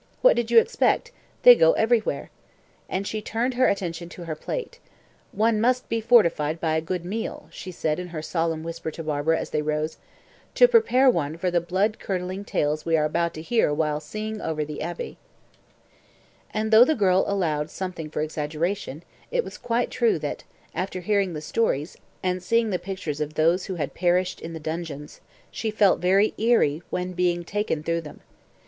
"What did you expect? They go everywhere," and she turned her attention to her plate. "One must be fortified by a good meal," she said in a solemn whisper to Barbara as they rose, "to prepare one for the blood curdling tales we are about to hear while seeing over the Abbaye." And though the girl allowed something for exaggeration, it was quite true that, after hearing the stories, and seeing the pictures of those who had perished in the dungeons, she felt very eerie when being taken through them.